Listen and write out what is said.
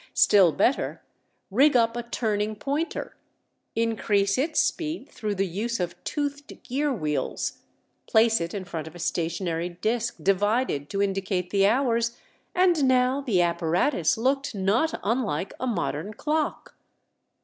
Still better, rig up a turning pointer, increase its speed through the use of toothed gear wheels, place it in front of a stationary disk divided to indicate the hours, and now the apparatus looked not unlike a modern clock.